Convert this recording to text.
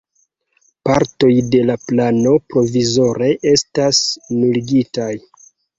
Partoj de la plano provizore estas nuligitaj.